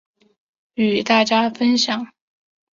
与大家分享